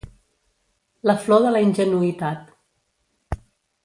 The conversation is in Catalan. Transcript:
La flor de la ingenuïtat.